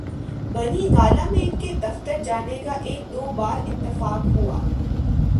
بنی گالہ میں ان کے دفتر جانے کا ایک دو بار اتفاق ہوا۔